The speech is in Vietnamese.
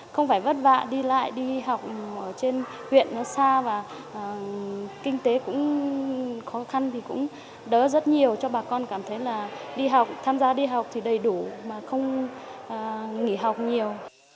không phải vất vả đi lại đi học ở trên huyện nó xa và kinh tế cũng khó khăn thì cũng đỡ rất nhiều cho bà con cảm thấy là đi học tham gia đi học thì đầy đủ mà không nghỉ học nhiều